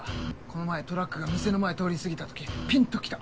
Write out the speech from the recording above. この前トラックが店の前通り過ぎたときピンときた。